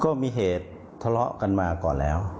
ก็มีเหตุทะเลาะกันมาก่อนแล้ว